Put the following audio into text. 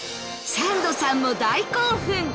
サンドさんも大興奮！